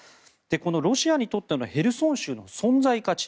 このロシアにとってのヘルソン州の存在価値